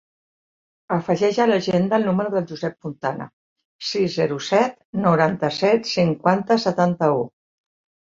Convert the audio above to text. Afegeix a l'agenda el número del Josep Fontana: sis, zero, set, noranta-set, cinquanta, setanta-u.